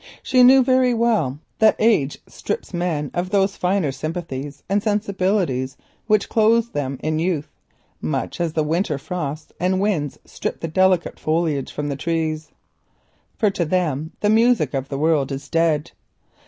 She knew very well that age often strips men of those finer sympathies and sensibilities which clothe them in youth, much as the winter frost and wind strip the delicate foliage from the trees. And to such the music of the world is dead.